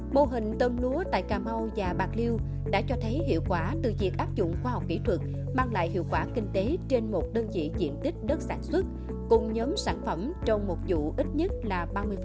mô hình tôm lúa tại cà mau và bạc liêu đã cho thấy hiệu quả từ việc áp dụng khoa học kỹ thuật mang lại hiệu quả kinh tế trên một đơn vị diện tích đất sản xuất cùng nhóm sản phẩm trong một vụ ít nhất là ba mươi